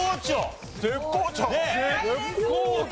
絶好調！